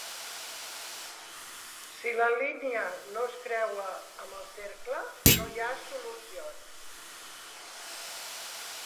Si la línia no es creua amb el cercle, no hi ha solucions.